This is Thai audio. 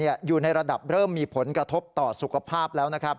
อยู่ในระดับเริ่มมีผลกระทบต่อสุขภาพแล้วนะครับ